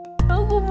aku malu banget mi